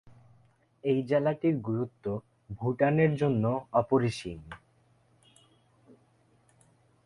এই জেলাটির গুরুত্ব ভুটানের জন্য অপরিসীম।